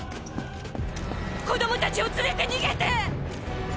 子供たちを連れて逃げて！